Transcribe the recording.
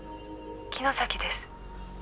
「城崎です」